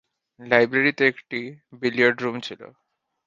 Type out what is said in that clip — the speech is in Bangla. লাইব্রেরিতে একটি বিলিয়ার্ড রুম ছিল।